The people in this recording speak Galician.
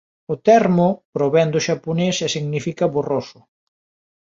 O termo provén do xaponés e significa borroso.